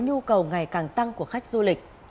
nhu cầu ngày càng tăng của khách du lịch